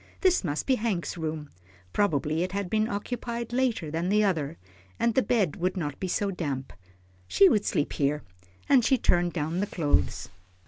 This must be Hank's room, probably it had been occupied later than the other, and the bed would not be so damp. She would sleep here, and she turned down the clothes.